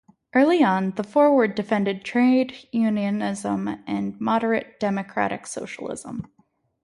Early on, "The Forward" defended trade unionism and moderate, democratic socialism.